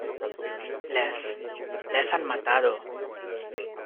les... les han matado .